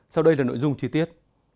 sau đây là nội dung chi tiết